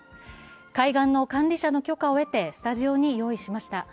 海岸の管理者の許可を得てスタジオに用意しました。